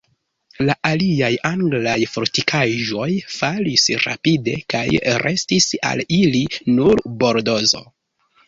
La aliaj anglaj fortikaĵoj falis rapide, kaj restis al ili nur Bordozo.